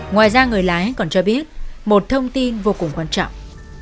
ngoài ra người lái còn cho biết một thông tin vô cùng quan trọng